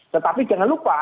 tetapi jangan lupa